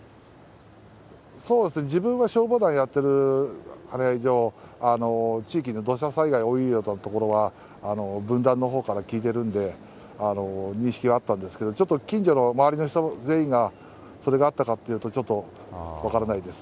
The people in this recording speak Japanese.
そうですね、自分は消防団やってる以上、地域の土砂災害が多いような所は、分団のほうから聞いてるんで、認識はあったんですけど、ちょっと近所の、周りの人全員がそれがあったかっていうと、ちょっと分からないです。